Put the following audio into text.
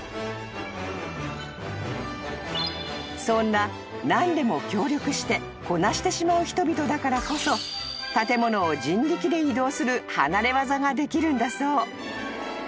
［そんな何でも協力してこなしてしまう人々だからこそ建物を人力で移動する離れ業ができるんだそう］